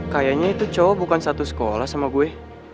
kayaknya itu cowok bukan satu sekolah sama gue